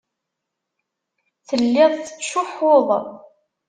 Telliḍ tettcuḥḥuḍ.